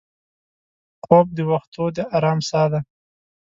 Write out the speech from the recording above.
خوب د وختو د ارام سا ده